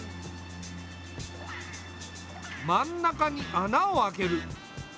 真ん中に穴を開ける。